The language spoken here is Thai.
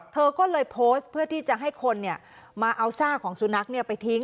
เธอก็เลยโพสเพื่อที่จะให้คนเนี่ยมาเอาซากของสุนัขเนี่ยไปทิ้ง